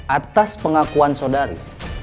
atas pengakuan saudari